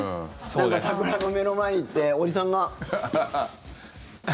なんか、桜の目の前に行っておじさんが。